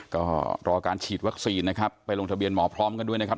ก็รอการฉีดวัคซีนนะครับไปลงทะเบียนหมอพร้อมกันด้วยนะครับ